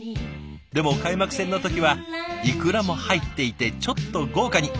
でも開幕戦の時はイクラも入っていてちょっと豪華に！